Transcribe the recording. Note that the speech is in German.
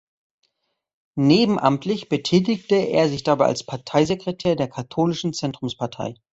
Nebenamtlich betätigte er sich dabei als Parteisekretär der katholischen Zentrumspartei.